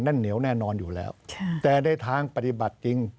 เหนียวแน่นอนอยู่แล้วแต่ในทางปฏิบัติจริง